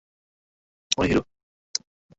এমনভাবে সাক্ষাৎকার দিচ্ছেন যেন উনি হিরো।